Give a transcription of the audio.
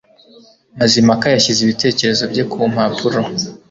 Mazimpaka yashyize ibitekerezo bye ku mpapuro.